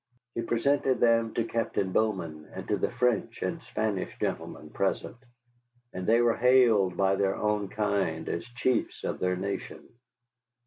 He presented them to Captain Bowman and to the French and Spanish gentlemen present, and they were hailed by their own kind as chiefs of their nation.